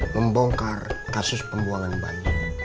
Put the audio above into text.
membongkar kasus pembuangan bayi